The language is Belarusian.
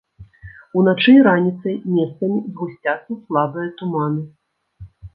Уначы і раніцай месцамі згусцяцца слабыя туманы.